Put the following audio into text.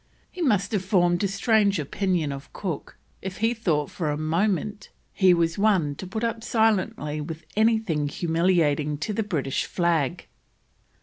He must have formed a strange opinion of Cook if he thought for a moment he was one to put up silently with anything humiliating to the British flag.